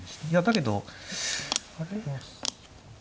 いやだけど。